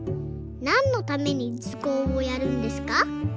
なんのためにずこうをやるんですか？」